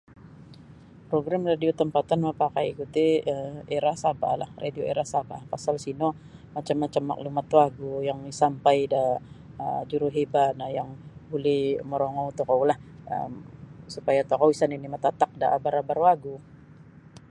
Progrim radio tampatan mapakaiku ti um Era Sabahlah radio Era Sabah pasal sino macam-macam maklumat wagu yang isampai da um juruhebah no yang buli morongou tokoulah um supaya tokou isa nini' matatak da abar-abar wagu.